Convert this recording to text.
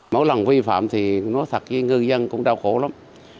mỗi lần vi phạm thì nói thật với ngư dân cũng đau khổ lắm